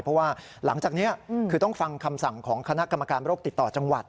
เพราะว่าหลังจากนี้คือต้องฟังคำสั่งของคณะกรรมการโรคติดต่อจังหวัด